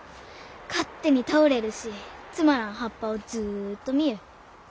勝手に倒れるしつまらん葉っぱをずっと見ゆう。